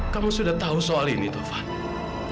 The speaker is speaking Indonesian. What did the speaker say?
kamu sudah tahu soal ini taufan